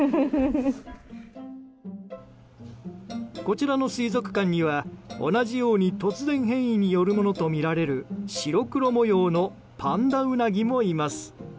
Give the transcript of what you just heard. こちらの水族館には同じように突然変異によるものとみられる白黒模様のパンダウナギもいます。